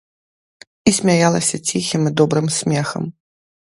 І смяялася ціхім і добрым смехам.